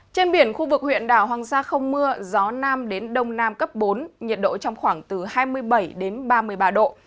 trên biển khu vực huyện đảo hoàng sa không mưa gió nam đến đông nam cấp bốn nhiệt độ trong khoảng từ hai mươi bảy đến ba mươi ba độ